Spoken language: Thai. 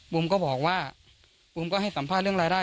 ก็บอกว่าบุ๋มก็ให้สัมภาษณ์เรื่องรายได้